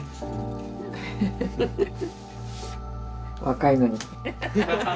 若いのに。